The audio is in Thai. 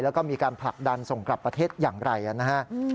แล้วก็มีการผลักดันส่งกลับประเทศอย่างไรนะฮะ